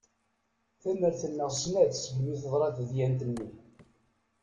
Tamert neɣ snat segmi teḍra tedyant-nni.